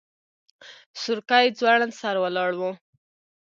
سورکی ځوړند سر ولاړ و.